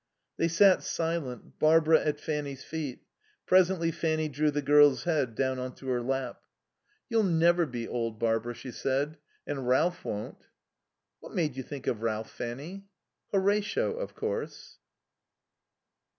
They sat silent, Barbara at Fanny's feet. Presently Fanny drew the girl's head down into her lap. "You'll never be old, Barbara," she said. "And Ralph won't." "What made you think of Ralph, Fanny?" "Horatio, of course."